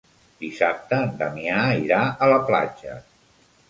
Dissabte en Damià irà a la platja.